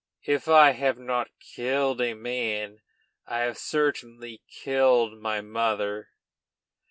If I have not killed a man, I have certainly killed my mother!"